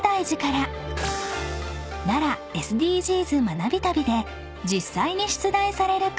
［奈良ＳＤＧｓ学び旅で実際に出題されるクイズです］